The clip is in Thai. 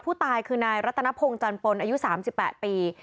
ผู้ตายคือนายรัตนพงศ์จันทร์ปนอายุสามสิบแปดปี